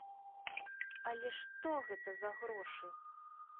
Але што гэта за грошы!?